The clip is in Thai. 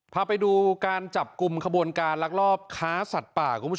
พาไปดูการจับกลุ่มขบวนการรักรอบค้าสัตว์ป่า